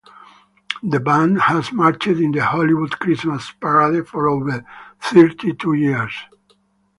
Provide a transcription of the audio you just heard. The band has marched in the Hollywood Christmas Parade for over thirty-two years.